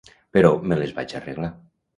Però me les vaig arreglar.